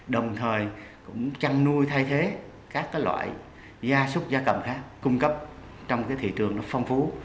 đồng thời cũng trăn nuôi thay thế các loại da súc da cầm khác cung cấp trong thị trường phong phú